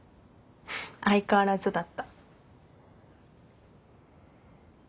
相変わらずだった。